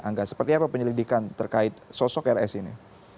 angga seperti apa penyelidikan terkait sosok rs ini